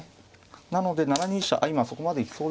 なので７二飛車あっ今そこまで行きそうですね。